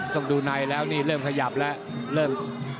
ต้องดูในแล้วเริ่มขยับแล้ว